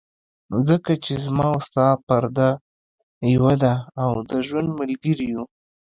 ځکه چې زما او ستا پرده یوه ده، او د ژوند ملګري یو.